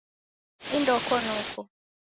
Indoko noko